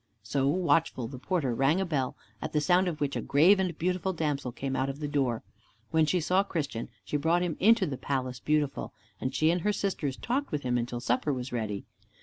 So Watchful the porter rang a bell, at the sound of which a grave and beautiful damsel came out of the door. When she saw Christian she brought him into the Palace Beautiful, and she and her sisters talked with him until supper was ready.